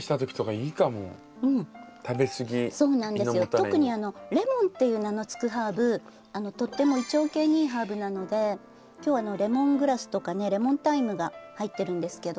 特に「レモン」っていう名の付くハーブとっても胃腸系にいいハーブなので今日はレモングラスとかねレモンタイムが入ってるんですけど。